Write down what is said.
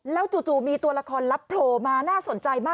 แล้วจู่มีตัวละครลับโจรมา